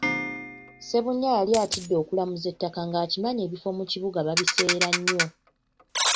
Ssebunya yali atidde okulamuza ettaka nga akimanyi ebifo mu kibuga babiseera nnyo.